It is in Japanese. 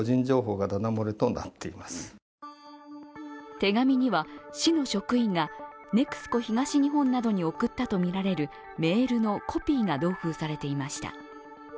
手紙には市の職員がＮＥＸＣＯ東日本などに送ったとみられるメールのコピーが同封されていました。